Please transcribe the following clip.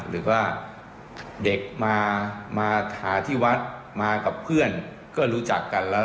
หรือว่าเด็กมามาหาที่วัดมากับเพื่อนก็รู้จักกันแล้ว